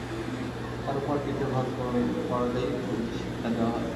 চারুপাঠ তৃতীয় ভাগ পড়ালেই বুঝি শিক্ষা দেওয়া হয়?